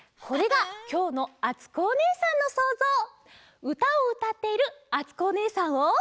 これがきょうのあつこおねえさんのそうぞう「うたをうたっているあつこおねえさん」を。